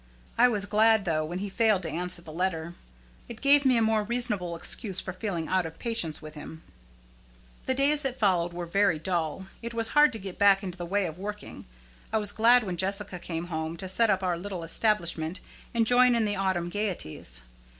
I was glad, though, when he failed to answer the letter. It gave me a more reasonable excuse for feeling out of patience with him. The days that followed were very dull. It was hard to get back into the way of working. I was glad when Jessica came home to set up our little establishment and to join in the autumn gayeties.